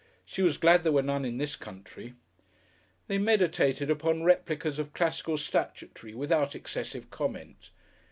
She was glad there were none in this country. They meditated upon replicas of classical statuary without excessive comment.